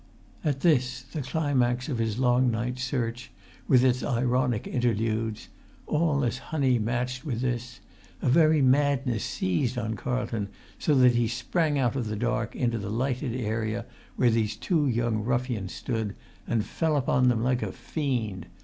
At this, the climax of his long night's search, with its ironic interludes—all as honey matched with this—a very madness seized on Carlton, so that he sprang out of the dark into the lighted area where these two young ruffians stood, and fell upon them like a fiend.